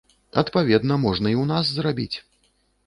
Адпаведна можна і ў нас зрабіць.